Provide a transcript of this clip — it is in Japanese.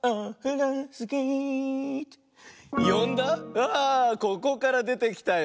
あここからでてきたよ。